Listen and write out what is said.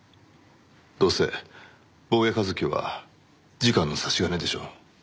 どうせ坊谷一樹は次官の差し金でしょう？